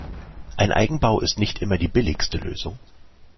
Ein Eigenbau ist nicht immer die billigste Lösung.